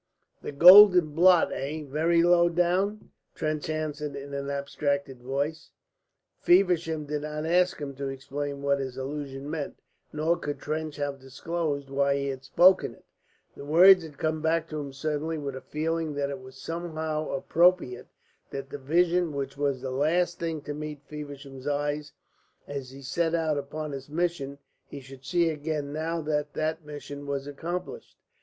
"The golden blot, eh, very low down?" Trench answered in an abstracted voice. Feversham did not ask him to explain what his allusion meant, nor could Trench have disclosed why he had spoken it; the words had come back to him suddenly with a feeling that it was somehow appropriate that the vision which was the last thing to meet Feversham's eyes as he set out upon his mission he should see again now that that mission was accomplished.